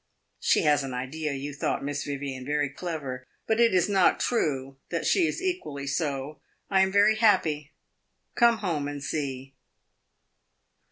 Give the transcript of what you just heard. She has an idea you thought Miss Vivian very clever but it is not true that she is equally so. I am very happy; come home and see."